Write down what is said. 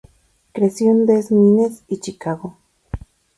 Creció en Des Moines y Chicago.